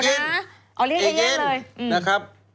เอเจนเอเจนเอเจนนะครับ